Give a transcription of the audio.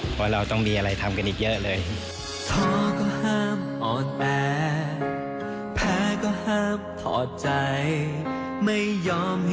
เพราะเราต้องมีอะไรทำกันอีกเยอะเลย